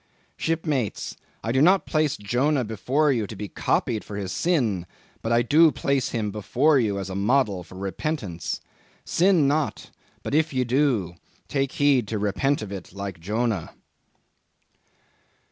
Shipmates, I do not place Jonah before you to be copied for his sin but I do place him before you as a model for repentance. Sin not; but if you do, take heed to repent of it like Jonah."